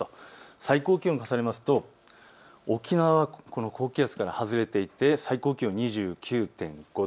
最高気温を重ねますと沖縄は高気圧から外れていて最高気温２９．５度。